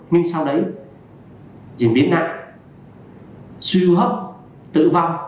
nhưng sau đấy diễn biến nặng sưu hấp tử vong